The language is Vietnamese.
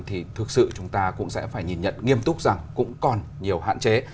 thì thực sự chúng ta cũng sẽ phải nhìn nhận nghiêm túc rằng cũng còn nhiều hạn chế